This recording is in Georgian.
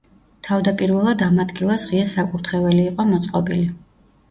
თავდაპირველად ამ ადგილას ღია საკურთხეველი იყო მოწყობილი.